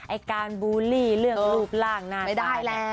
ไอ้การบูลลี่เรื่องรูปร่างหน้าตาย